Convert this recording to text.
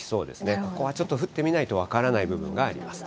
ここはちょっと降ってみないと分からない部分があります。